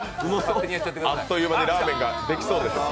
あっという間にラーメンができそうです。